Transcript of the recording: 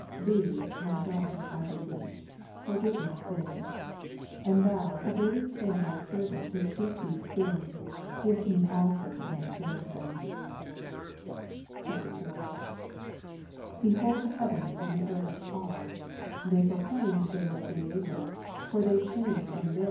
Thee, my God, I beseech, forgive my sins ; and Thou, who gavest him Thy servant to speak these things, give to me also to understand them. [IV.] 6. Behold, the heavens and the earth are ; they pro claim that they were created ; for they change and vary ^. s See above b.